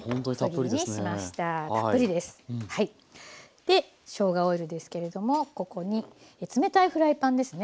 でしょうがオイルですけれどもここに冷たいフライパンですね。